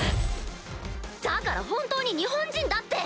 だから本当に日本人だって！